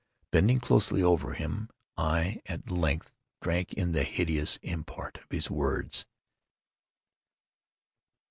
Bending closely over him, I at length drank in the hideous import of his words.